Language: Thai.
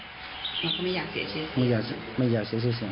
มันก็ไม่อยากเสียเสียเสียไม่อยากเสียเสียเสีย